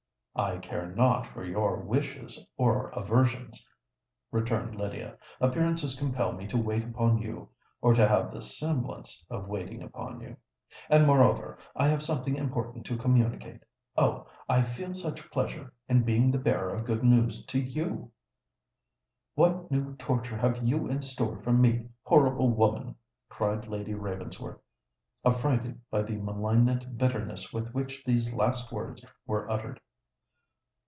"I care not for your wishes or aversions," returned Lydia. "Appearances compel me to wait upon you—or to have the semblance of waiting upon you;—and, moreover, I have something important to communicate. Oh! I feel such pleasure in being the bearer of good news to you!" "What new torture have you in store for me, horrible woman?" cried Lady Ravensworth, affrighted by the malignant bitterness with which these last words were uttered.